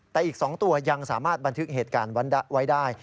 แต่อีก๒ตัวยังสามารถบันทึกเหตุการณ์ไว้ได้